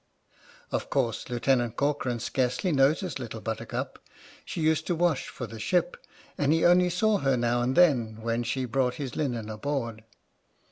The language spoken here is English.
Of course, Lieutenant Corcoran scarcely noticed Little Buttercup — she used to wash for the ship, and he only saw her now and then, when she brought his linen aboard.